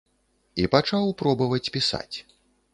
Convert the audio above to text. І пачаў пробаваць пісаць.